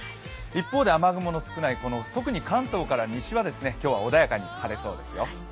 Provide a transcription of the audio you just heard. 一方で雨雲の少ない特に関東から西は今日は穏やかに晴れそうですよ。